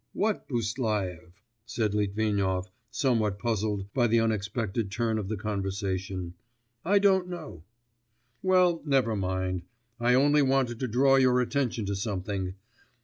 'What Buslaev?' said Litvinov, somewhat puzzled by the unexpected turn of the conversation. 'I don't know.' 'Well, never mind. I only wanted to draw your attention to something.